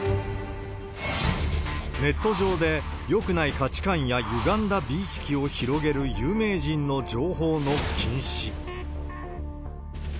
ネット上でよくない価値観やゆがんだ美意識を広げる有名人の情報の禁止。